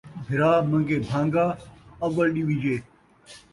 بھرا منگے بھانڳا، اول ݙویجے